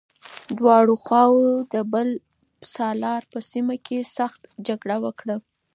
دواړو خواوو د پل سالار په سيمه کې سخته جګړه وکړه.